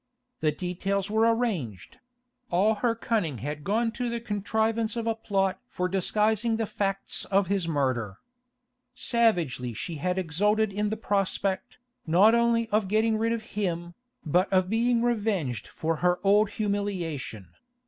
The details were arranged; all her cunning had gone to the contrivance of a plot for disguising the facts of his murder. Savagely she had exulted in the prospect, not only of getting rid of him, but of being revenged for her old humiliation.